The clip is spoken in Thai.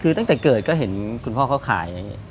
คือตั้งแต่เกิดก็เห็นคุณพ่อเค้าขาย